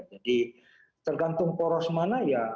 jadi tergantung poros mana ya